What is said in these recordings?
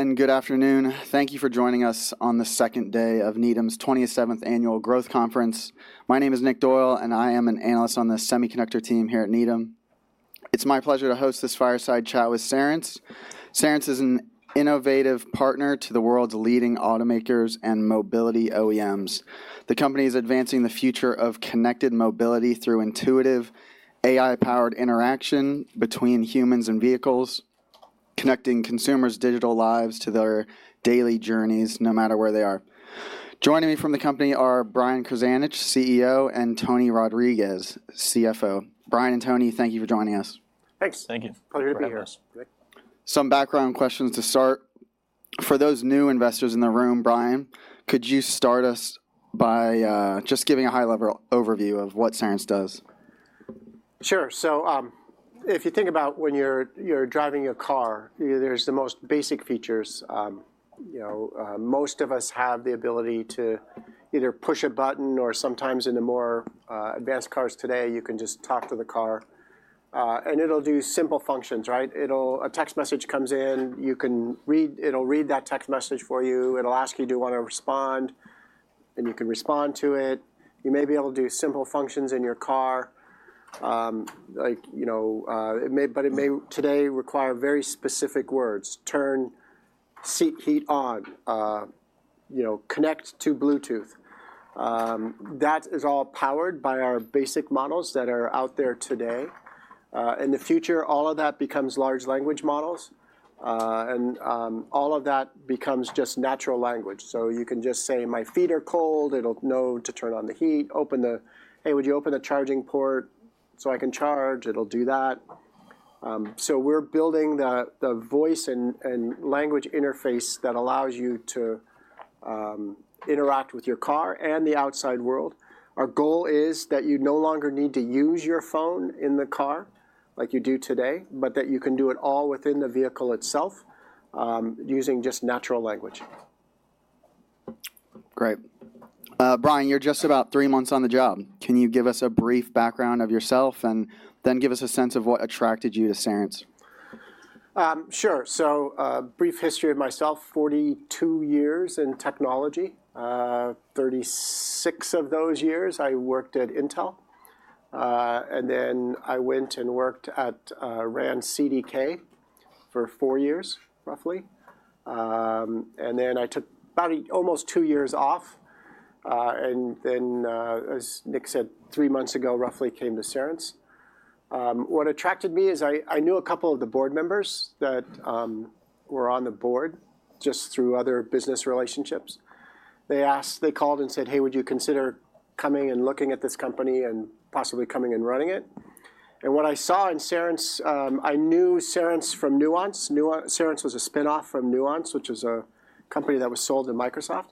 Hello, everyone, and good afternoon. Thank you for joining us on the second day of Needham's 27th Annual Growth Conference. My name is Nick Doyle, and I am an analyst on the semiconductor team here at Needham. It's my pleasure to host this fireside chat with Cerence. Cerence is an innovative partner to the world's leading automakers and mobility OEMs. The company is advancing the future of connected mobility through intuitive AI-powered interaction between humans and vehicles, connecting consumers' digital lives to their daily journeys, no matter where they are. Joining me from the company are Brian Krzanich, CEO, and Tony Rodriquez, CFO. Brian and Tony, thank you for joining us. Thanks. Thank you. Pleasure to be here. Some background questions to start. For those new investors in the room, Brian, could you start us by just giving a high-level overview of what Cerence does? Sure. So if you think about when you're driving a car, there's the most basic features. Most of us have the ability to either push a button, or sometimes in the more advanced cars today, you can just talk to the car. And it'll do simple functions, right? A text message comes in; it'll read that text message for you. It'll ask you, do you want to respond? And you can respond to it. You may be able to do simple functions in your car. But it may today require very specific words: turn seat heat on, connect to Bluetooth. That is all powered by our basic models that are out there today. In the future, all of that becomes large language models. And all of that becomes just natural language. So you can just say, my feet are cold. It'll know to turn on the heat, hey, would you open the charging port so I can charge? It'll do that. So we're building the voice and language interface that allows you to interact with your car and the outside world. Our goal is that you no longer need to use your phone in the car, like you do today, but that you can do it all within the vehicle itself using just natural language. Great. Brian, you're just about three months on the job. Can you give us a brief background of yourself and then give us a sense of what attracted you to Cerence? Sure. So a brief history of myself: 42 years in technology. 36 of those years, I worked at Intel. And then I went and worked at CDK for four years, roughly. And then I took about almost two years off. And then, as Nick said, three months ago, roughly, came to Cerence. What attracted me is I knew a couple of the board members that were on the board just through other business relationships. They asked, they called and said, hey, would you consider coming and looking at this company and possibly coming and running it? And what I saw in Cerence, I knew Cerence from Nuance. Cerence was a spinoff from Nuance, which is a company that was sold to Microsoft.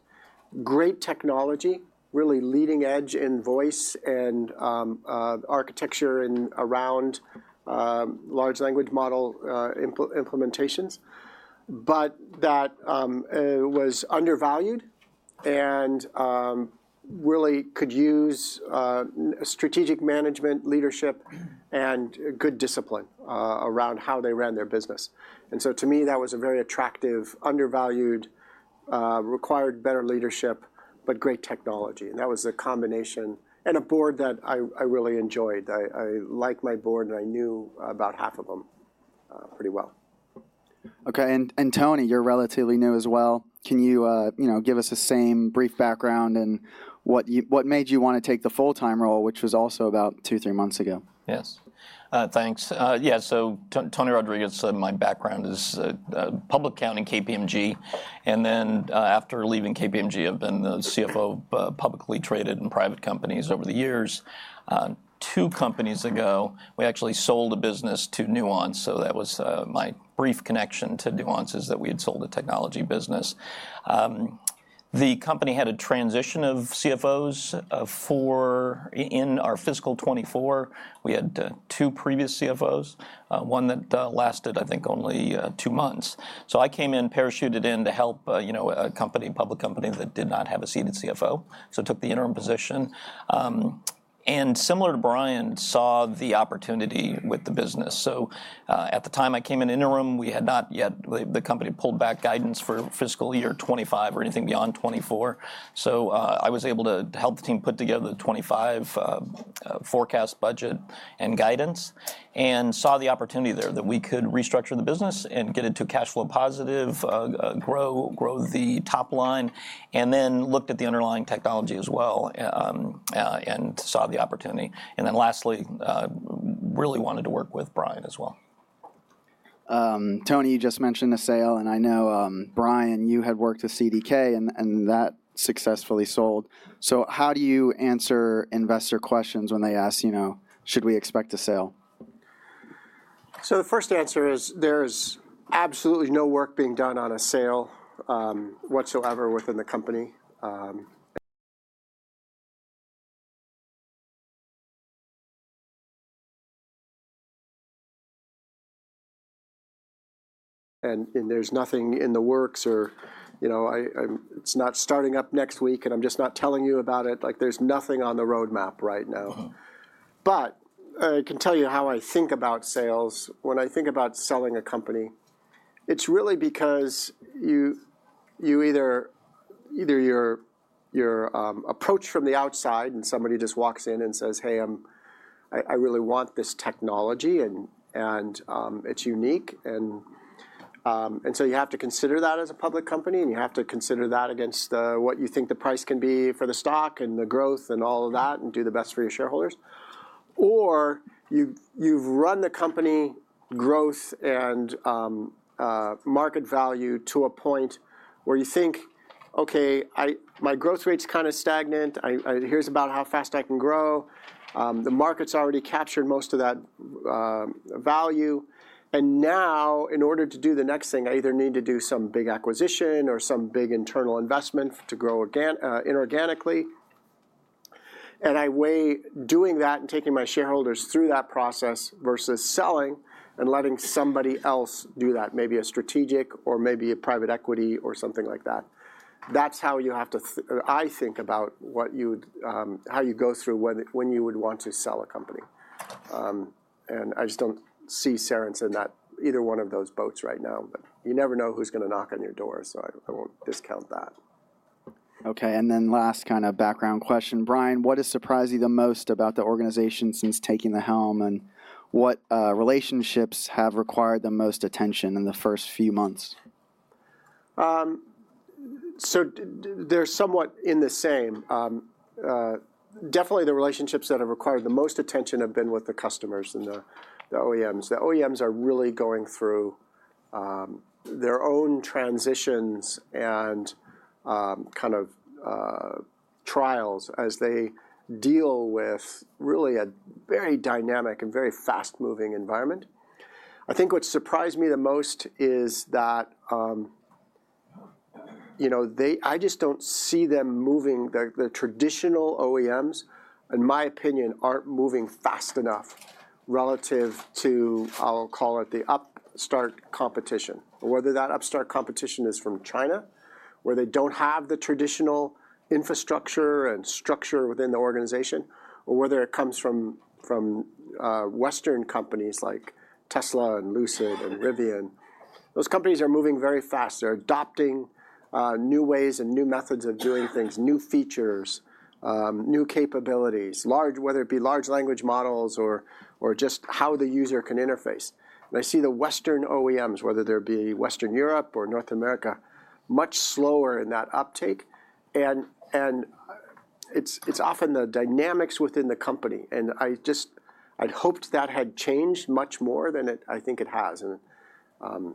Great technology, really leading edge in voice and architecture and around large language model implementations. But that was undervalued and really could use strategic management, leadership, and good discipline around how they ran their business. And so to me, that was a very attractive, undervalued, required better leadership, but great technology. And that was a combination and a board that I really enjoyed. I liked my board, and I knew about half of them pretty well. OK, and Tony, you're relatively new as well. Can you give us the same brief background and what made you want to take the full-time role, which was also about two, three months ago? Yes. Thanks. Yeah. So, Tony Rodriquez, my background is public accounting KPMG. And then after leaving KPMG, I've been the CFO of publicly traded and private companies over the years. Two companies ago, we actually sold a business to Nuance. So that was my brief connection to Nuance is that we had sold a technology business. The company had a transition of CFOs in our fiscal 2024. We had two previous CFOs, one that lasted, I think, only two months. So I came in, parachuted in to help a company, public company that did not have a seated CFO. So I took the interim position. And similar to Brian, saw the opportunity with the business. So at the time I came in interim, we had not yet. The company pulled back guidance for fiscal year 2025 or anything beyond 2024. So, I was able to help the team put together the 2025 forecast budget and guidance and saw the opportunity there that we could restructure the business and get it to cash flow positive, grow the top line, and then looked at the underlying technology as well and saw the opportunity. And then lastly, really wanted to work with Brian as well. Tony, you just mentioned a sale, and I know, Brian, you had worked with CDK, and that successfully sold, so how do you answer investor questions when they ask, "should we expect a sale? The first answer is there's absolutely no work being done on a sale whatsoever within the company. There's nothing in the works or it's not starting up next week, and I'm just not telling you about it. There's nothing on the roadmap right now. I can tell you how I think about sales. When I think about selling a company, it's really because either you're approached from the outside and somebody just walks in and says, hey, I really want this technology, and it's unique, and so you have to consider that as a public company, and you have to consider that against what you think the price can be for the stock and the growth and all of that and do the best for your shareholders. Or you've run the company growth and market value to a point where you think, ok, my growth rate's kind of stagnant. Here's about how fast I can grow. The market's already captured most of that value. And now, in order to do the next thing, I either need to do some big acquisition or some big internal investment to grow inorganically. And I weigh doing that and taking my shareholders through that process versus selling and letting somebody else do that, maybe a strategic or maybe a private equity or something like that. That's how you have to, I think, about how you go through when you would want to sell a company. And I just don't see Cerence in either one of those boats right now. But you never know who's going to knock on your door. So I won't discount that. OK. And then last kind of background question. Brian, what has surprised you the most about the organization since taking the helm? And what relationships have required the most attention in the first few months? So they're somewhat in the same. Definitely, the relationships that have required the most attention have been with the customers and the OEMs. The OEMs are really going through their own transitions and kind of trials as they deal with really a very dynamic and very fast-moving environment. I think what surprised me the most is that I just don't see them moving. The traditional OEMs, in my opinion, aren't moving fast enough relative to, I'll call it, the upstart competition. Whether that upstart competition is from China, where they don't have the traditional infrastructure and structure within the organization, or whether it comes from western companies like Tesla and Lucid and Rivian. Those companies are moving very fast. They're adopting new ways and new methods of doing things, new features, new capabilities, whether it be large language models or just how the user can interface. And I see the Western OEMs, whether they be Western Europe or North America, much slower in that uptake. And it's often the dynamics within the company. And I just had hoped that had changed much more than I think it has. And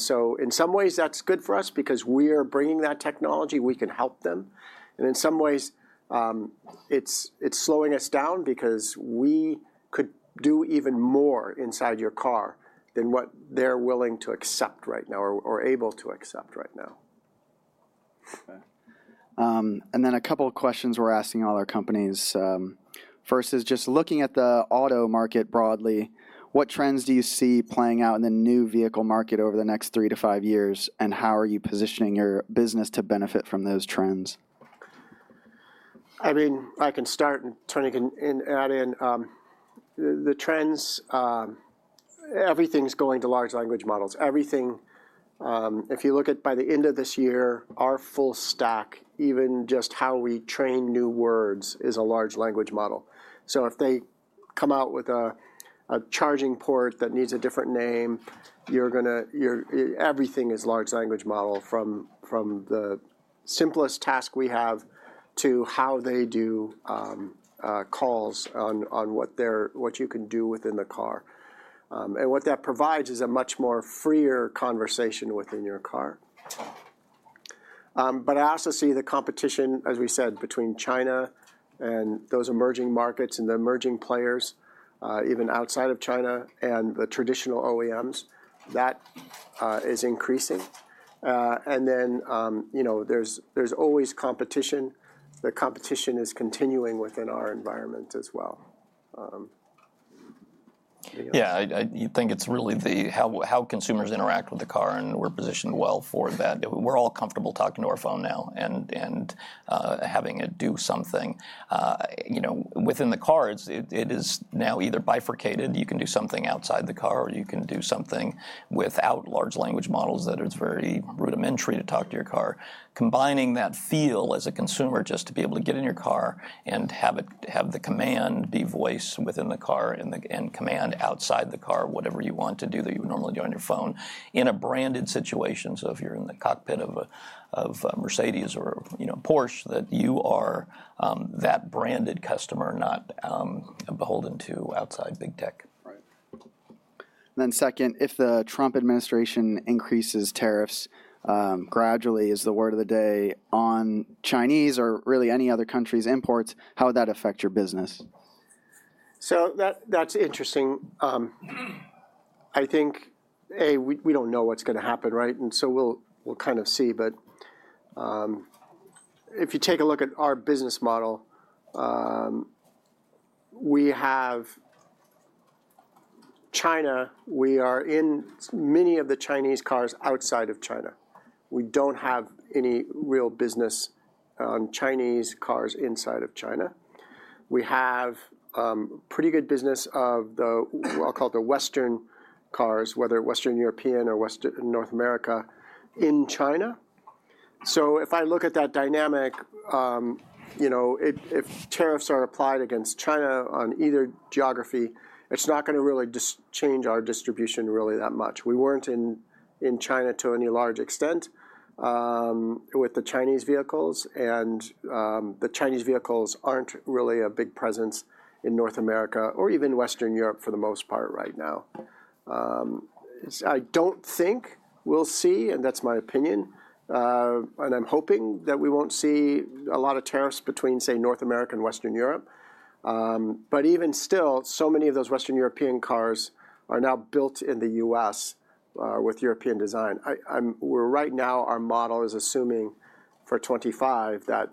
so in some ways, that's good for us because we are bringing that technology. We can help them. And in some ways, it's slowing us down because we could do even more inside your car than what they're willing to accept right now or able to accept right now. And then a couple of questions we're asking all our companies. First is just looking at the auto market broadly, what trends do you see playing out in the new vehicle market over the next three to five years? And how are you positioning your business to benefit from those trends? I mean, I can start and add in the trends. Everything's going to large language models. Everything. If you look at by the end of this year, our full stack, even just how we train new words, is a large language model. So if they come out with a charging port that needs a different name, everything is large language model, from the simplest task we have to how they do calls on what you can do within the car. And what that provides is a much more freer conversation within your car. But I also see the competition, as we said, between China and those emerging markets and the emerging players, even outside of China, and the traditional OEMs. That is increasing. And then there's always competition. The competition is continuing within our environment as well. Yeah. I think it's really how consumers interact with the car. And we're positioned well for that. We're all comfortable talking to our phone now and having it do something. Within the car, it is now either bifurcated. You can do something outside the car, or you can do something without large language models that are very rudimentary to talk to your car. Combining that feel as a consumer, just to be able to get in your car and have the command be voice within the car and command outside the car, whatever you want to do that you would normally do on your phone, in a branded situation. So if you're in the cockpit of a Mercedes or a Porsche, that you are that branded customer, not beholden to outside big tech. And then, second, if the Trump administration increases tariffs gradually, is the word of the day on Chinese or really any other country's imports, how would that affect your business? So that's interesting. I think, A, we don't know what's going to happen, right? And so we'll kind of see. But if you take a look at our business model, we have China. We are in many of the Chinese cars outside of China. We don't have any real business on Chinese cars inside of China. We have pretty good business of, I'll call it, the Western cars, whether Western European or North America, in China. So if I look at that dynamic, if tariffs are applied against China on either geography, it's not going to really change our distribution really that much. We weren't in China to any large extent with the Chinese vehicles. And the Chinese vehicles aren't really a big presence in North America or even Western Europe for the most part right now. I don't think we'll see, and that's my opinion. I'm hoping that we won't see a lot of tariffs between, say, North America and Western Europe. Even still, so many of those Western European cars are now built in the U.S. with European design. Right now, our model is assuming for 2025 that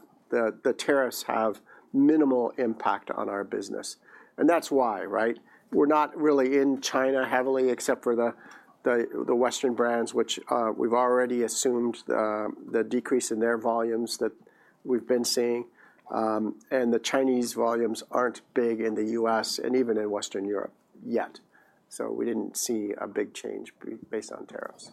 the tariffs have minimal impact on our business. That's why, right? We're not really in China heavily, except for the Western brands, which we've already assumed the decrease in their volumes that we've been seeing. The Chinese volumes aren't big in the U.S. and even in Western Europe yet. We didn't see a big change based on tariffs.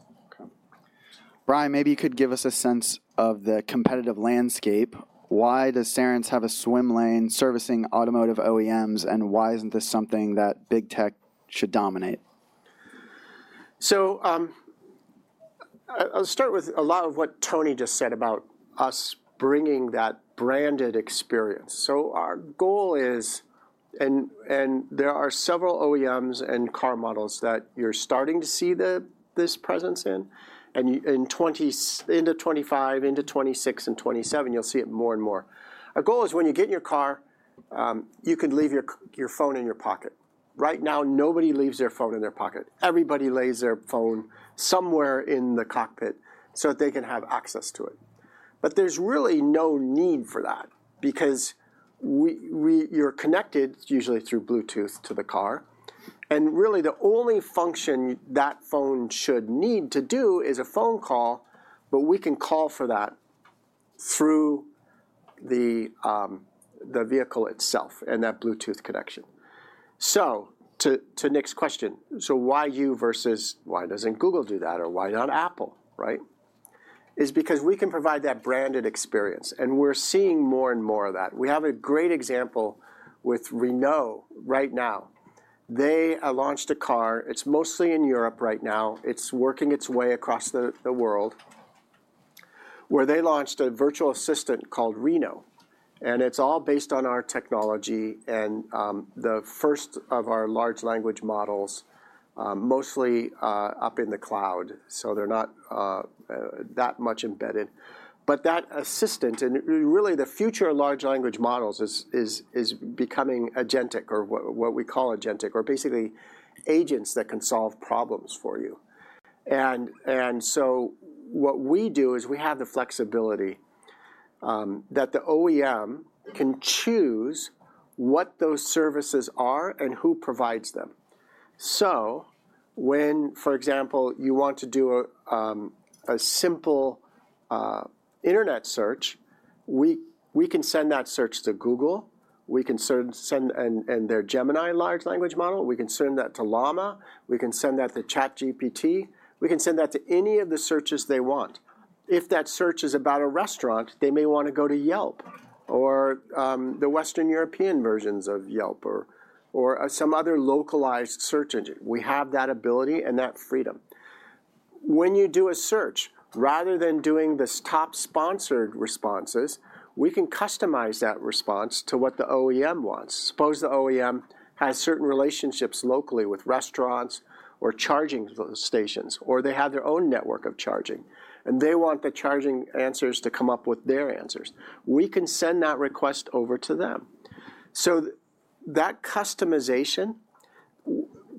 Brian, maybe you could give us a sense of the competitive landscape. Why does Cerence have a swim lane servicing automotive OEMs? And why isn't this something that big tech should dominate? So I'll start with a lot of what Tony just said about us bringing that branded experience. So our goal is, and there are several OEMs and car models that you're starting to see this presence in. And into 2025, into 2026, and 2027, you'll see it more and more. Our goal is when you get in your car, you can leave your phone in your pocket. Right now, nobody leaves their phone in their pocket. Everybody lays their phone somewhere in the cockpit so that they can have access to it. But there's really no need for that because you're connected usually through Bluetooth to the car. And really, the only function that phone should need to do is a phone call. But we can call for that through the vehicle itself and that Bluetooth connection. To Nick's question, why you versus why doesn't Google do that or why not Apple, right? It's because we can provide that branded experience. We're seeing more and more of that. We have a great example with Renault right now. They launched a car. It's mostly in Europe right now. It's working its way across the world, where they launched a virtual assistant called Reno. It's all based on our technology and the first of our large language models, mostly up in the cloud. They're not that much embedded. But that assistant, and really the future of large language models, is becoming agentic or what we call agentic, or basically agents that can solve problems for you. What we do is we have the flexibility that the OEM can choose what those services are and who provides them. So when, for example, you want to do a simple internet search, we can send that search to Google. We can send their Gemini large language model. We can send that to Llama. We can send that to ChatGPT. We can send that to any of the searches they want. If that search is about a restaurant, they may want to go to Yelp or the Western European versions of Yelp or some other localized search engine. We have that ability and that freedom. When you do a search, rather than doing the top sponsored responses, we can customize that response to what the OEM wants. Suppose the OEM has certain relationships locally with restaurants or charging stations, or they have their own network of charging. And they want the charging answers to come up with their answers. We can send that request over to them. So that customization,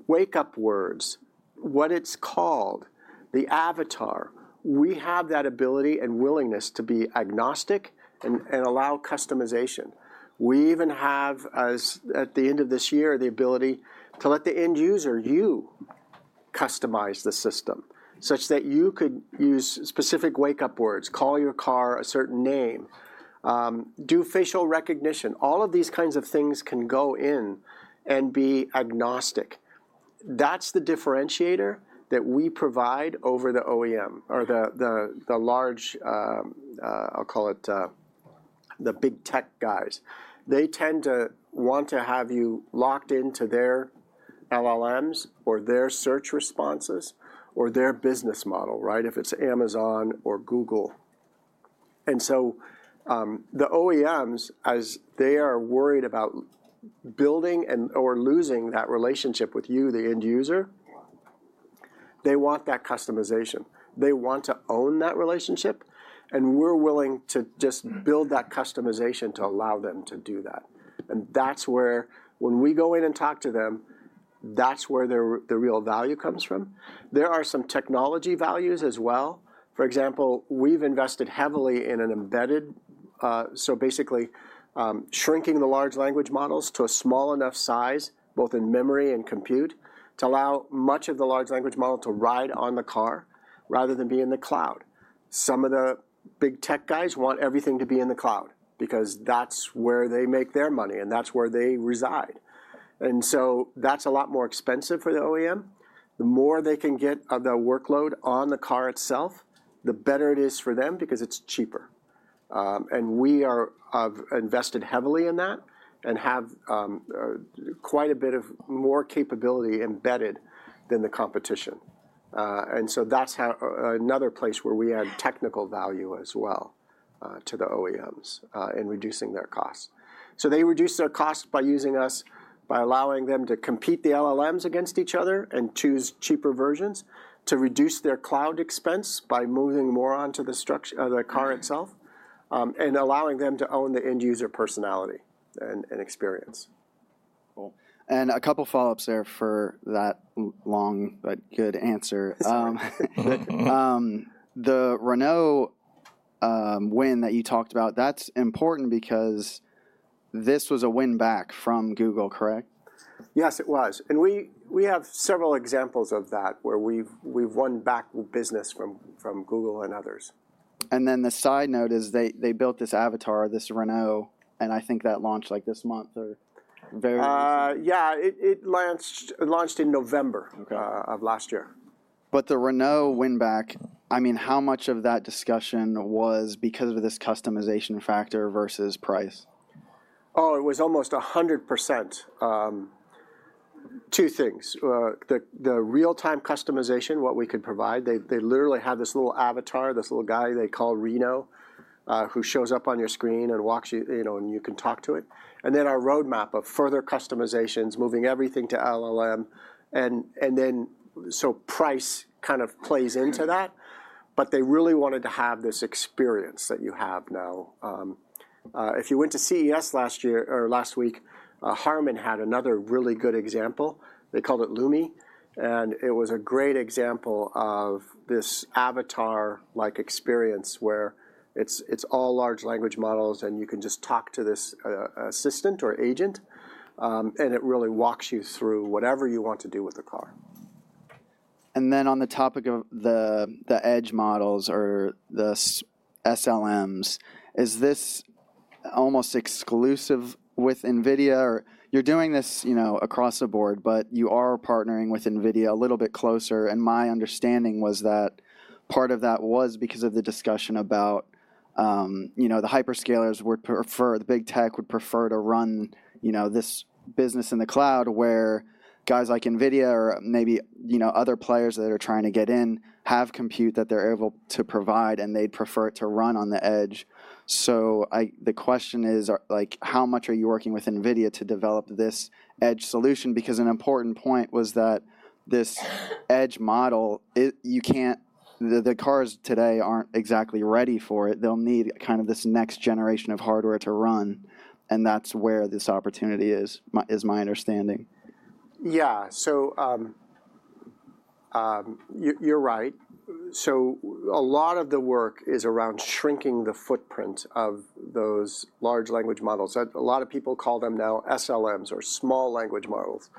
wake-up words, what it's called, the avatar, we have that ability and willingness to be agnostic and allow customization. We even have, at the end of this year, the ability to let the end user, you, customize the system such that you could use specific wake-up words, call your car a certain name, do facial recognition. All of these kinds of things can go in and be agnostic. That's the differentiator that we provide over the OEM or the large, I'll call it, the big tech guys. They tend to want to have you locked into their LLMs or their search responses or their business model, right, if it's Amazon or Google. And so the OEMs, as they are worried about building or losing that relationship with you, the end user, they want that customization. They want to own that relationship. We're willing to just build that customization to allow them to do that. That's where, when we go in and talk to them, that's where the real value comes from. There are some technology values as well. For example, we've invested heavily in an embedded, so basically shrinking the large language models to a small enough size, both in memory and compute, to allow much of the large language model to ride on the car rather than be in the cloud. Some of the big tech guys want everything to be in the cloud because that's where they make their money and that's where they reside. That's a lot more expensive for the OEM. The more they can get of the workload on the car itself, the better it is for them because it's cheaper. We have invested heavily in that and have quite a bit of more capability embedded than the competition. That's another place where we add technical value as well to the OEMs in reducing their costs. They reduce their costs by using us, by allowing them to compete the LLMs against each other and choose cheaper versions, to reduce their cloud expense by moving more onto the car itself, and allowing them to own the end user personality and experience. A couple of follow-ups there for that long but good answer. The Renault win that you talked about, that's important because this was a win back from Google, correct? Yes, it was, and we have several examples of that where we've won back business from Google and others. And then the side note is they built this avatar, this Reno. And I think that launched like this month or very recently. Yeah. It launched in November of last year. But the Renault win back, I mean, how much of that discussion was because of this customization factor versus price? Oh, it was almost 100%. Two things. The real-time customization, what we could provide. They literally have this little avatar, this little guy they call Reno, who shows up on your screen and walks you, and you can talk to it. And then our roadmap of further customizations, moving everything to LLM. And then so price kind of plays into that. But they really wanted to have this experience that you have now. If you went to CES last year or last week, Harman had another really good example. They called it Lumi. And it was a great example of this avatar-like experience where it's all large language models, and you can just talk to this assistant or agent. And it really walks you through whatever you want to do with the car. And then, on the topic of the edge models or the SLMs, is this almost exclusive with NVIDIA? You're doing this across the board, but you are partnering with NVIDIA a little bit closer. And my understanding was that part of that was because of the discussion about the hyperscalers would prefer, the big tech would prefer to run this business in the cloud where guys like NVIDIA or maybe other players that are trying to get in have compute that they're able to provide, and they'd prefer it to run on the edge. So the question is, how much are you working with NVIDIA to develop this edge solution? Because an important point was that this edge model, the cars today aren't exactly ready for it. They'll need kind of this next generation of hardware to run. And that's where this opportunity is, is my understanding. Yeah. So you're right. So a lot of the work is around shrinking the footprint of those large language models. A lot of people call them now SLMs or small language models.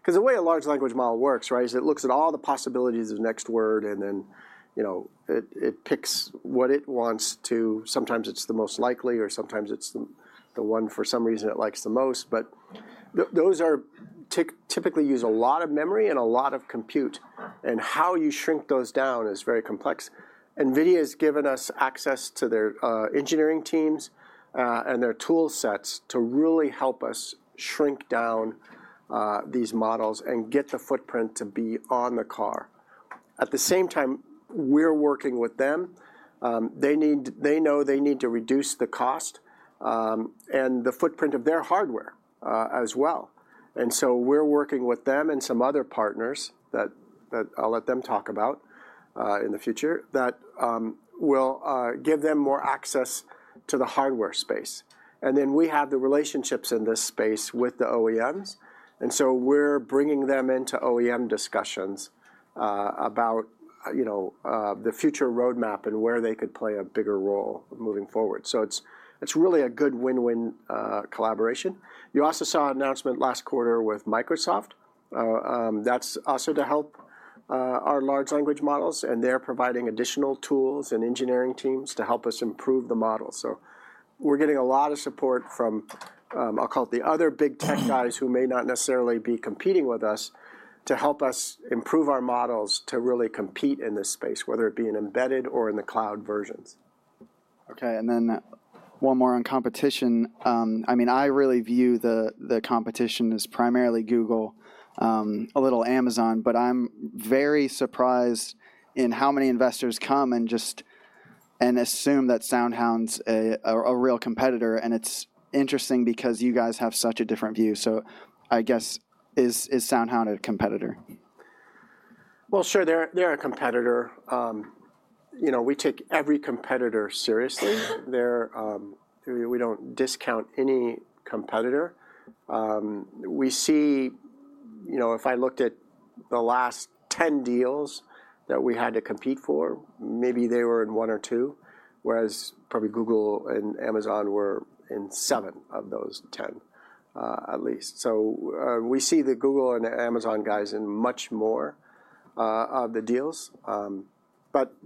Because the way a large language model works, right, is it looks at all the possibilities of the next word, and then it picks what it wants to. Sometimes it's the most likely, or sometimes it's the one for some reason it likes the most. But those typically use a lot of memory and a lot of compute. And how you shrink those down is very complex. NVIDIA has given us access to their engineering teams and their tool sets to really help us shrink down these models and get the footprint to be on the car. At the same time, we're working with them. They know they need to reduce the cost and the footprint of their hardware as well. And so we're working with them and some other partners that I'll let them talk about in the future that will give them more access to the hardware space. And then we have the relationships in this space with the OEMs. And so we're bringing them into OEM discussions about the future roadmap and where they could play a bigger role moving forward. So it's really a good win-win collaboration. You also saw an announcement last quarter with Microsoft. That's also to help our large language models. And they're providing additional tools and engineering teams to help us improve the model. So we're getting a lot of support from, I'll call it, the other big tech guys who may not necessarily be competing with us to help us improve our models to really compete in this space, whether it be in embedded or in the cloud versions. OK. And then one more on competition. I mean, I really view the competition as primarily Google, a little Amazon. But I'm very surprised in how many investors come and just assume that SoundHound's a real competitor. And it's interesting because you guys have such a different view. So I guess, is SoundHound a competitor? Sure, they're a competitor. We take every competitor seriously. We don't discount any competitor. We see, if I looked at the last 10 deals that we had to compete for, maybe they were in one or two, whereas probably Google and Amazon were in seven of those 10 at least. We see the Google and Amazon guys in much more of the deals.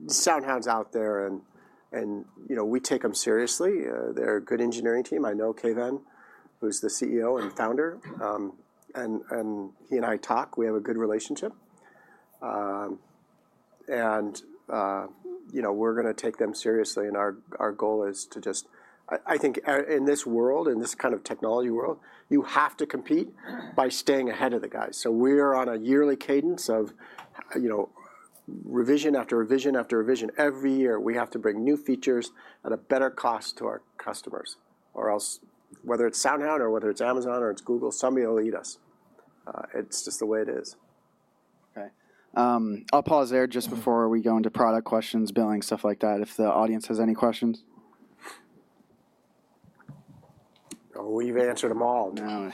SoundHound's out there. We take them seriously. They're a good engineering team. I know Keyvan, who's the CEO and founder. He and I talk. We have a good relationship. We're going to take them seriously. Our goal is to just, I think, in this world, in this kind of technology world, you have to compete by staying ahead of the guys. We're on a yearly cadence of revision after revision after revision. Every year, we have to bring new features at a better cost to our customers, or else whether it's SoundHound or whether it's Amazon or it's Google, somebody will eat us. It's just the way it is. OK. I'll pause there just before we go into product questions, billing, stuff like that, if the audience has any questions. Oh, we've answered them all now.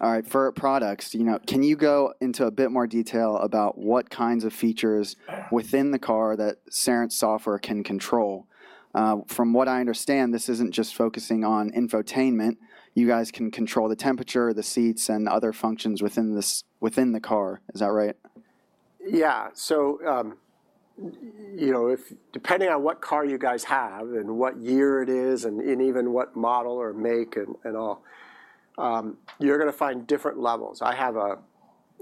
All right. For products, can you go into a bit more detail about what kinds of features within the car that Cerence software can control? From what I understand, this isn't just focusing on infotainment. You guys can control the temperature, the seats, and other functions within the car. Is that right? Yeah. So depending on what car you guys have and what year it is and even what model or make and all, you're going to find different levels. I have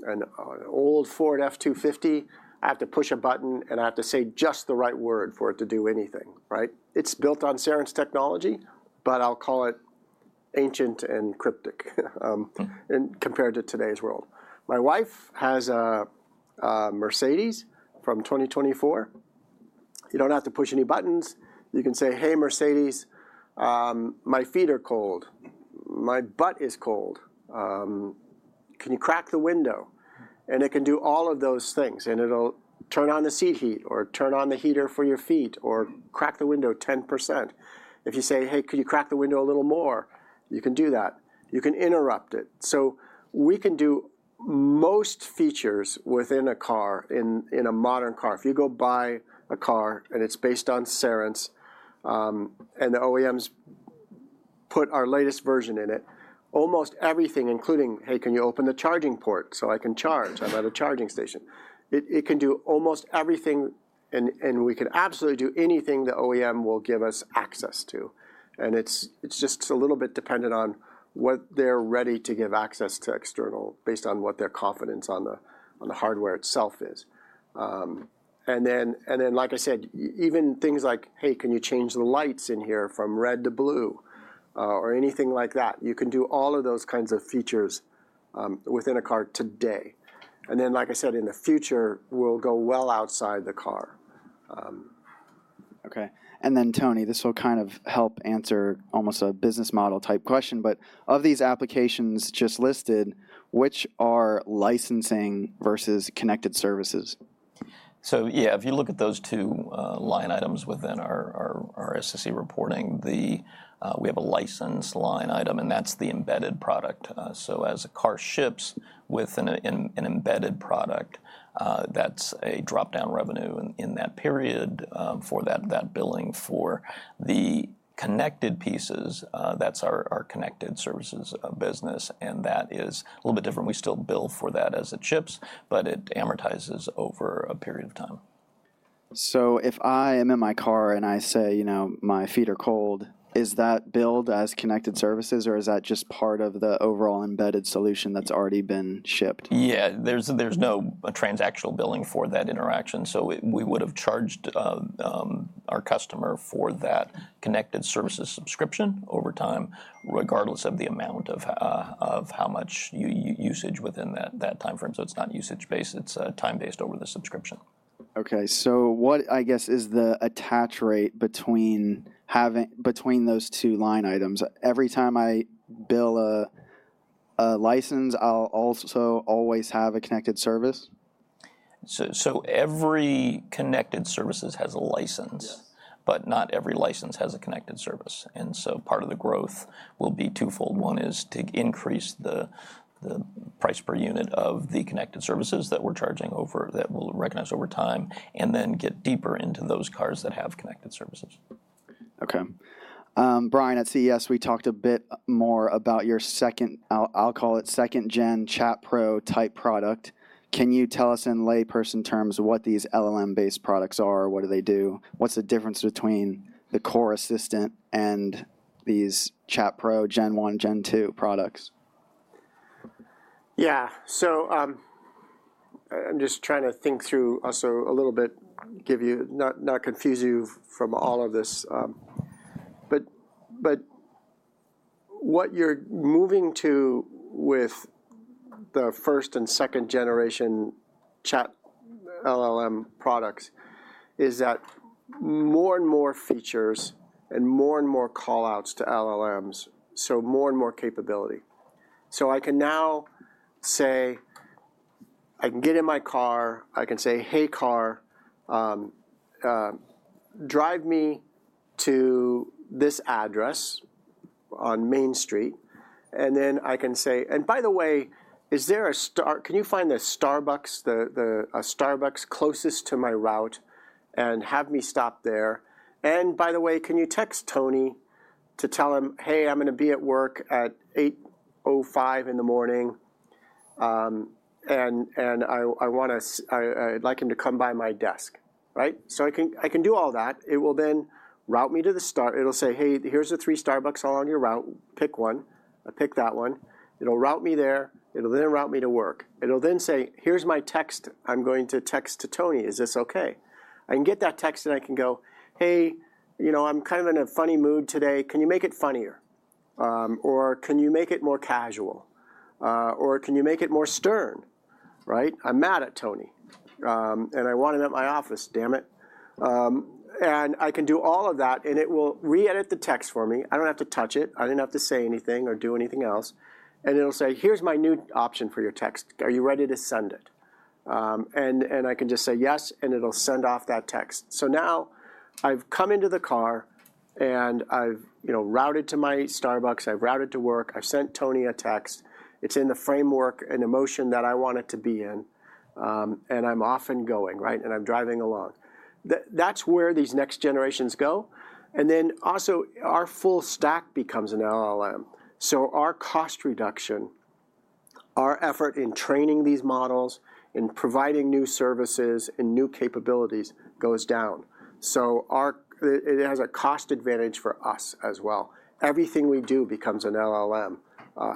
an old Ford F-250. I have to push a button, and I have to say just the right word for it to do anything, right? It's built on Cerence technology, but I'll call it ancient and cryptic compared to today's world. My wife has a Mercedes from 2024. You don't have to push any buttons. You can say, hey, Mercedes, my feet are cold. My butt is cold. Can you crack the window, and it can do all of those things, and it'll turn on the seat heat or turn on the heater for your feet or crack the window 10%. If you say, hey, could you crack the window a little more? You can do that. You can interrupt it. So we can do most features within a car, in a modern car. If you go buy a car, and it's based on Cerence, and the OEMs put our latest version in it, almost everything, including, hey, can you open the charging port so I can charge? I'm at a charging station. It can do almost everything. And we could absolutely do anything the OEM will give us access to. And it's just a little bit dependent on what they're ready to give access to external based on what their confidence on the hardware itself is. And then, like I said, even things like, hey, can you change the lights in here from red to blue or anything like that? You can do all of those kinds of features within a car today. And then, like I said, in the future, we'll go well outside the car. OK. And then, Tony, this will kind of help answer almost a business model type question. But of these applications just listed, which are licensing versus connected services? So yeah, if you look at those two line items within our SEC reporting, we have a license line item, and that's the embedded product. So as a car ships with an embedded product, that's a drop-down revenue in that period for that billing. For the connected pieces, that's our connected services business. And that is a little bit different. We still bill for that as it ships, but it amortizes over a period of time. So if I am in my car and I say, "my feet are cold," is that billed as connected services, or is that just part of the overall embedded solution that's already been shipped? Yeah. There's no transactional billing for that interaction. So we would have charged our customer for that connected services subscription over time, regardless of the amount of how much usage within that time frame. So it's not usage-based. It's time-based over the subscription. OK. So what, I guess, is the attach rate between those two line items? Every time I bill a license, I'll also always have a connected service? So every connected services has a license, but not every license has a connected service. And so part of the growth will be twofold. One is to increase the price per unit of the connected services that we're charging over that we'll recognize over time and then get deeper into those cars that have connected services. OK. Brian, at CES, we talked a bit more about your second, I'll call it, second-gen Chat Pro type product. Can you tell us in layperson terms what these LLM-based products are? What do they do? What's the difference between the core assistant and these Chat Pro Gen 1, Gen 2 products? Yeah. So, I'm just trying to think through also a little bit, not to confuse you with all of this. But what you're moving to with the first- and second-generation Chat LLM products is that more and more features and more and more callouts to LLMs, so more and more capability. So, I can now say I can get in my car. I can say, "Hey, car, drive me to this address on Main Street." And then I can say, "and by the way, can you find a Starbucks closest to my route and have me stop there?" And by the way, can you text Tony to tell him, "Hey, I'm going to be at work at 8:05 A.M., and I'd like him to come by my desk," right? So, I can do all that. It will then route me to the start. It'll say, "Hey, here's the three Starbucks all on your route. Pick one." I pick that one. It'll route me there. It'll then route me to work. It'll then say, "Here's my text I'm going to text to Tony. Is this OK?" I can get that text, and I can go, "Hey, I'm kind of in a funny mood today. Can you make it funnier? Or can you make it more casual? Or can you make it more stern, right? I'm mad at Tony, and I want him at my office. Damn it." And I can do all of that. And it will re-edit the text for me. I don't have to touch it. I didn't have to say anything or do anything else. And it'll say, "Here's my new option for your text. Are you ready to send it? And I can just say yes, and it'll send off that text. So now I've come into the car, and I've routed to my Starbucks. I've routed to work. I've sent Tony a text. It's in the framework and emotion that I want it to be in. And I'm off and going, right? And I'm driving along. That's where these next generations go. And then also, our full stack becomes an LLM. So our cost reduction, our effort in training these models and providing new services and new capabilities goes down. So it has a cost advantage for us as well. Everything we do becomes an LLM,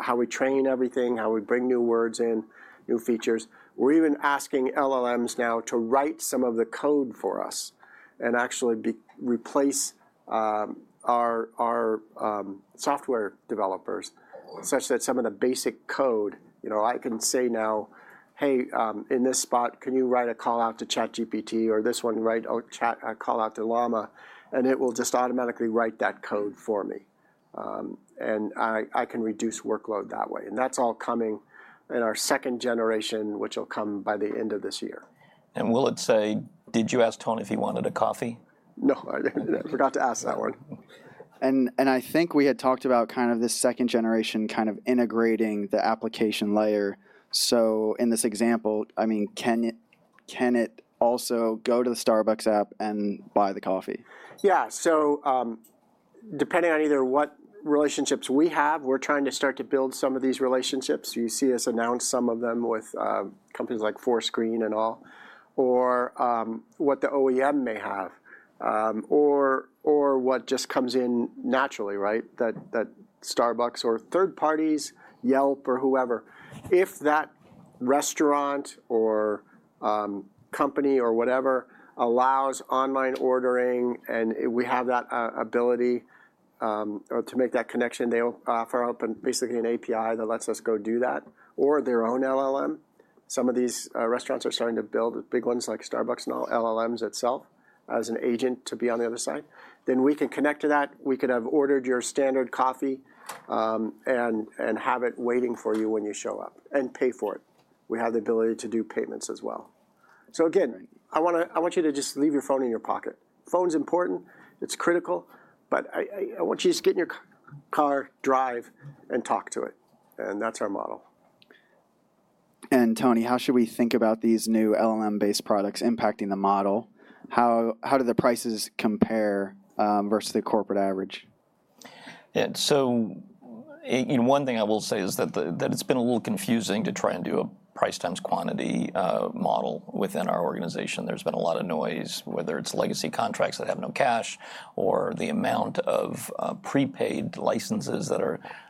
how we train everything, how we bring new words in, new features. We're even asking LLMs now to write some of the code for us and actually replace our software developers such that some of the basic code. I can say now, "Hey, in this spot, can you write a callout to ChatGPT? Or this one, write a callout to Llama." And it will just automatically write that code for me. And I can reduce workload that way. And that's all coming in our second generation, which will come by the end of this year. Will it say, did you ask Tony if he wanted a coffee? No. I forgot to ask that one. I think we had talked about kind of this second generation kind of integrating the application layer. In this example, I mean, can it also go to the Starbucks app and buy the coffee? Yeah. So depending on either what relationships we have, we're trying to start to build some of these relationships. You see us announce some of them with companies like 4.screen and all, or what the OEM may have, or what just comes in naturally, right, that Starbucks or third parties, Yelp or whoever. If that restaurant or company or whatever allows online ordering and we have that ability to make that connection, they'll offer up basically an API that lets us go do that or their own LLM. Some of these restaurants are starting to build big ones like Starbucks and all LLMs itself as an agent to be on the other side. Then we can connect to that. We could have ordered your standard coffee and have it waiting for you when you show up and pay for it. We have the ability to do payments as well. So again, I want you to just leave your phone in your pocket. Phone's important. It's critical. But I want you to just get in your car, drive, and talk to it. And that's our model. Tony, how should we think about these new LLM-based products impacting the model? How do the prices compare versus the corporate average? Yeah, so one thing I will say is that it's been a little confusing to try and do a price times quantity model within our organization. There's been a lot of noise, whether it's legacy contracts that have no cash or the amount of prepaid licenses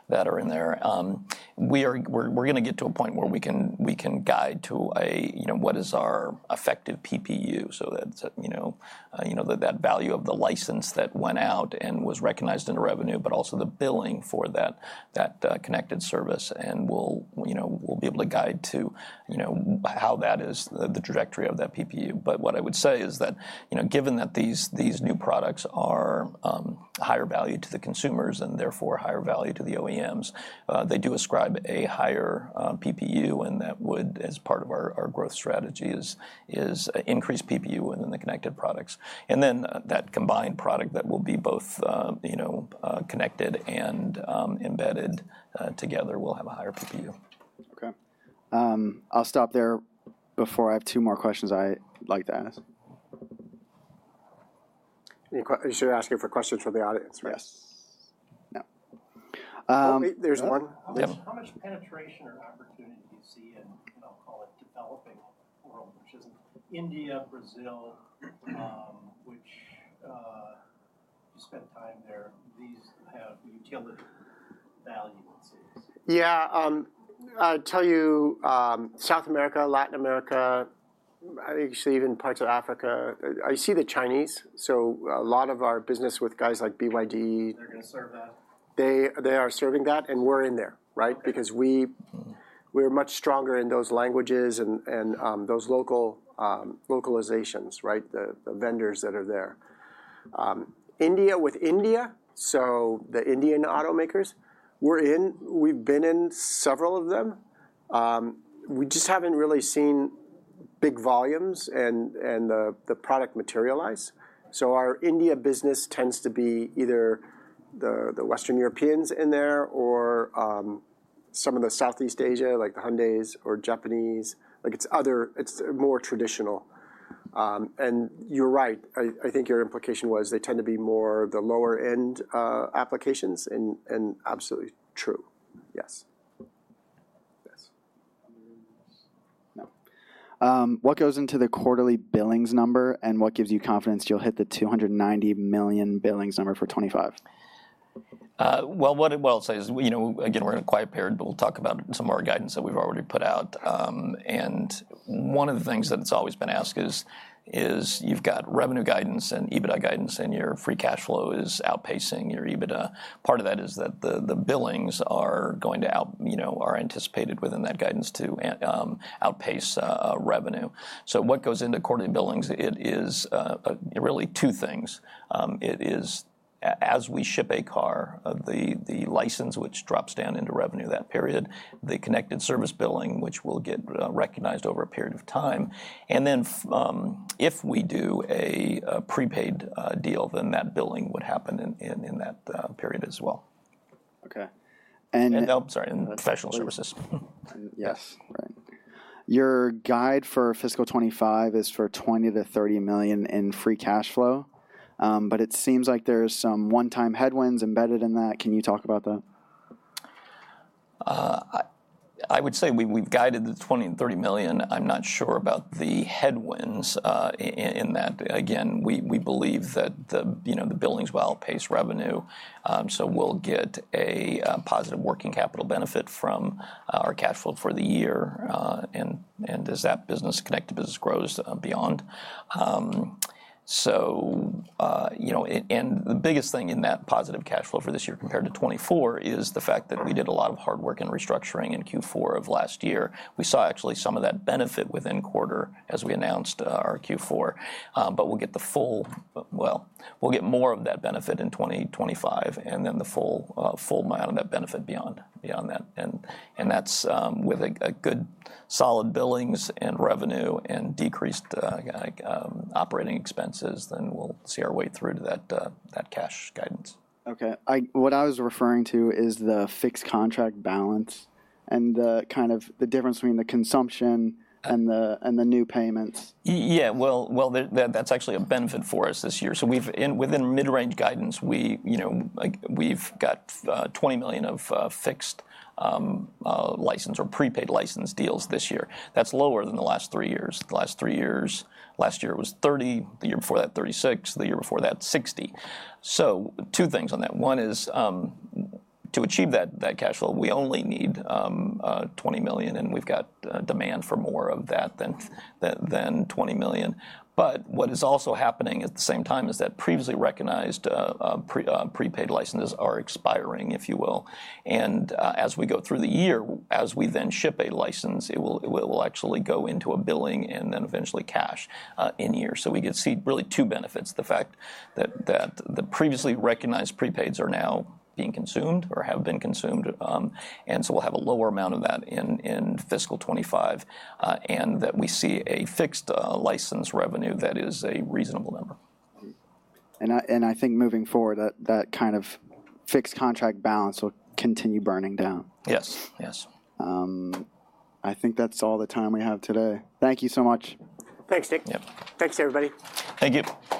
that are in there. We're going to get to a point where we can guide to what is our effective PPU, so that value of the license that went out and was recognized in revenue, but also the billing for that connected service, and we'll be able to guide to how that is the trajectory of that PPU, but what I would say is that given that these new products are higher value to the consumers and therefore higher value to the OEMs, they do ascribe a higher PPU. And that would, as part of our growth strategy, is increased PPU within the connected products. And then that combined product that will be both connected and embedded together will have a higher PPU. OK. I'll stop there before I have two more questions I'd like to ask. You're asking for questions for the audience, right? Yes. No. There's one. How much penetration or opportunity do you see in, I'll call it, developing world, which isn't India, Brazil, which you spent time there, these have utility value in cities? Yeah. I'll tell you, South America, Latin America, actually even parts of Africa, I see the Chinese. So a lot of our business with guys like BYD. They are serving that, and we're in there, right? Because we're much stronger in those languages and those localizations, right, the vendors that are there. India with India, so the Indian automakers, we're in. We've been in several of them. We just haven't really seen big volumes and the product materialize. So our India business tends to be either the Western Europeans in there or some of the Southeast Asia, like the Hyundais or Japanese. It's more traditional, and you're right. I think your implication was they tend to be more the lower-end applications, and absolutely true. Yes. Yes. What goes into the quarterly billings number, and what gives you confidence you'll hit the $290 million billings number for 2025? What I'll say is, again, we're in a quiet period, but we'll talk about some of our guidance that we've already put out. One of the things that it's always been asked is you've got revenue guidance and EBITDA guidance, and your free cash flow is outpacing your EBITDA. Part of that is that the billings are anticipated within that guidance to outpace revenue. What goes into quarterly billings? It is really two things. It is, as we ship a car, the license, which drops down into revenue that period, the connected service billing, which will get recognized over a period of time. Then if we do a prepaid deal, that billing would happen in that period as well. OK. And. And professional services. Yes. Right. Your guide for fiscal 2025 is for $20 million-$30 million in free cash flow. But it seems like there's some one-time headwinds embedded in that. Can you talk about that? I would say we've guided $20 million-$30 million. I'm not sure about the headwinds in that. Again, we believe that the billings will outpace revenue. So we'll get a positive working capital benefit from our cash flow for the year. And as that connected business grows beyond. The biggest thing in that positive cash flow for this year compared to 2024 is the fact that we did a lot of hard work in restructuring in Q4 of last year. We saw actually some of that benefit within quarter as we announced our Q4. But we'll get the full, well, we'll get more of that benefit in 2025 and then the full amount of that benefit beyond that. That's with a good solid billings and revenue and decreased operating expenses. We'll see our way through to that cash guidance. OK. What I was referring to is the fixed contract balance and kind of the difference between the consumption and the new payments. Yeah. Well, that's actually a benefit for us this year. So within mid-range guidance, we've got $20 million of fixed license or prepaid license deals this year. That's lower than the last three years. The last three years, last year it was $30 million. The year before that, $36 million. The year before that, $60 million. So two things on that. One is to achieve that cash flow, we only need $20 million. And we've got demand for more of that than $20 million. But what is also happening at the same time is that previously recognized prepaid licenses are expiring, if you will. And as we go through the year, as we then ship a license, it will actually go into a billing and then eventually cash in year. So we could see really two benefits, the fact that the previously recognized prepaids are now being consumed or have been consumed. And so we'll have a lower amount of that in fiscal 2025, and we see fixed license revenue that is a reasonable number. I think moving forward, that kind of fixed contract balance will continue burning down. Yes. Yes. I think that's all the time we have today. Thank you so much. Thanks, Nick. Yep. Thanks, everybody. Thank you.